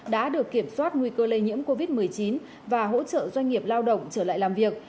đã được kiểm soát nguy cơ lây nhiễm covid một mươi chín và hỗ trợ doanh nghiệp lao động trở lại làm việc